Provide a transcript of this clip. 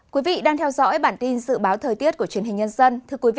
quý vị đang theo dõi bản tin dự báo thời tiết của truyền hình nhân dân